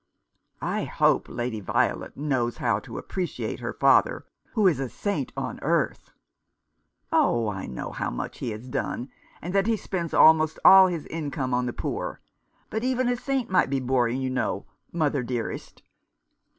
" I hope Lady Violet knows how to appreciate her father, who is a saint on earth." " Oh, I know how much he has done — and that he spends almost all his income on the poor ; but even a saint might be boring, you know, mother dearest."